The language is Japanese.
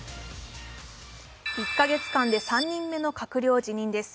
１か月間で３人目の閣僚辞任です。